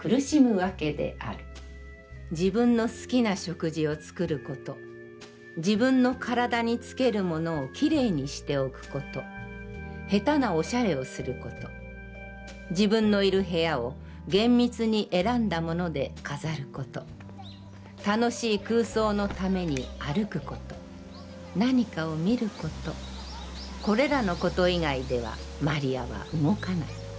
自分の好きな食事を造ること、自分の体につけるものを清潔にしておくこと、下手なお洒落をすること、自分のいる部屋を、厳密に選んだもので飾ること、楽しい空想の為に歩くこと、何かを観ること、これらのこと以外では魔利は動かない。